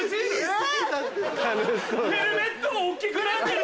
ヘルメットも大きくなってる。